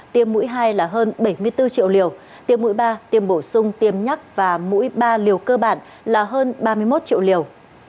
tiêm mũi hai là hơn bảy mươi bốn triệu liều tiêm mũi ba tiêm bổ sung tiêm nhắc và mũi ba liều cơ bản là hơn ba mươi một triệu liều